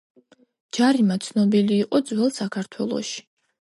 ჯარიმა ცნობილი იყო ძველ საქართველოში.